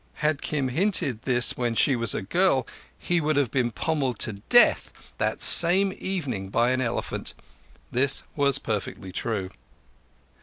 Had Kim hinted this when she was a girl, he would have been pommelled to death that same evening by an elephant. This was perfectly true.